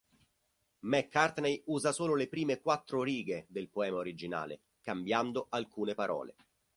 McCartney usa solo le prime quattro righe del poema originale, cambiando alcune parole.